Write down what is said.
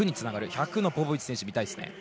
１００のポポビッチ選手見たいですね。